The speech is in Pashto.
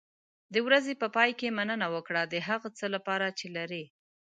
د ورځې په پای کې مننه وکړه د هغه څه لپاره چې لرې.